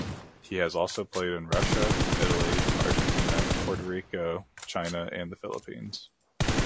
He has also played in Russia, Italy, Argentina, Puerto Rico, China and the Philippines.